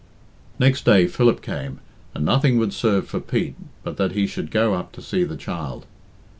Next day Philip came, and nothing would serve for Pete but that he should go up to see the child.